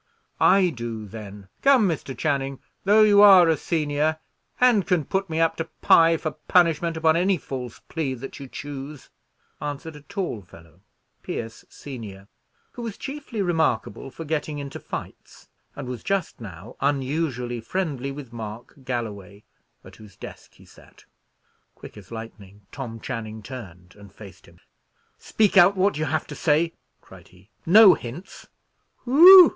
"I do, then! Come, Mr. Channing, though you are a senior, and can put me up to Pye for punishment upon any false plea that you choose," answered a tall fellow, Pierce senior, who was chiefly remarkable for getting into fights, and was just now unusually friendly with Mark Galloway, at whose desk he sat. Quick as lightning, Tom Channing turned and faced him. "Speak out what you have to say," cried he; "no hints." "Whew!"